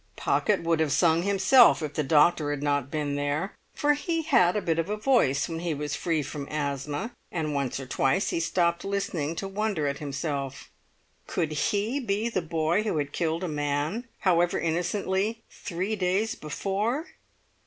Pocket would have sung himself if the doctor had not been there, for he had a bit of a voice when he was free from asthma; and once or twice he stopped listening to wonder at himself. Could he be the boy who had killed a man, however innocently, three days before!